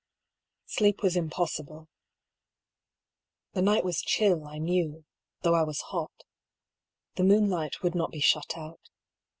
Sleep was impossible. The night was chill, I knew, though I was hot. The moonlight would not be shut out.